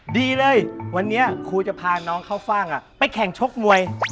ดีเลยวันนี้ครูจะพาน้องเข้าฟ่างไปแข่งชกมวย